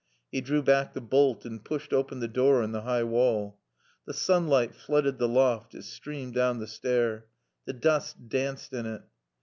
He drew back the bolt and pushed open the door in the high wall. The sunlight flooded the loft; it streamed down the stair. The dust danced in it.